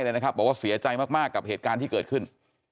บอกว่าเสียใจมากกับเหตุการณ์ที่เกิดขึ้น